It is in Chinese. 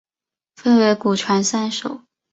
分为古传散手。